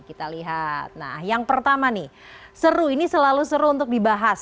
kita lihat nah yang pertama nih seru ini selalu seru untuk dibahas